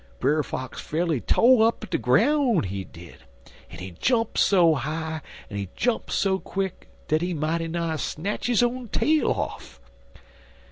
Brer Fox fa'rly to' up de groun' he did, en he jump so high en he jump so quick dat he mighty nigh snatch his own tail off.